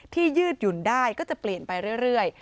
ยืดหยุ่นได้ก็จะเปลี่ยนไปเรื่อย